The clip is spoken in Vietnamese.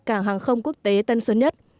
cảng hàng không quốc tế tân sơn nhất